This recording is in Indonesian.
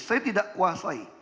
saya tidak kuasai